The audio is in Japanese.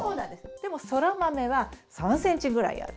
でもソラマメは３ｃｍぐらいある。